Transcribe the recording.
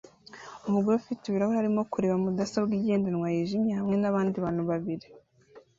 Umugore ufite ibirahure arimo kureba mudasobwa igendanwa yijimye hamwe nabandi bantu babiri